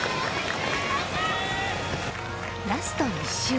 ラスト１周。